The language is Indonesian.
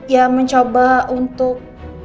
ya mencoba untuk